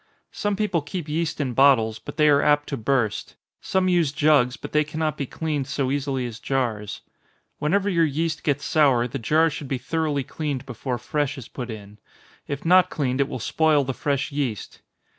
Some people keep yeast in bottles, but they are apt to burst some use jugs, but they cannot be cleaned so easily as jars. Whenever your yeast gets sour, the jar should be thoroughly cleaned before fresh is put in if not cleaned, it will spoil the fresh yeast.